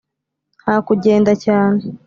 nta kugenda cyane,